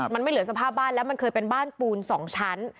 มันไม่เหลือสภาพบ้านแล้วมันเคยเป็นบ้านปูน๒ชั้น